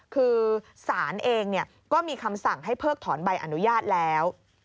คือศาลเองก็มีคำสั่งให้เพิกถอนใบอนุญาตแล้ว